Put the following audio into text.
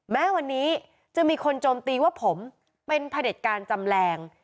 แม้วันนี้จะมีคนโจมตีว่าผมเป็นพระเด็จการจำแรง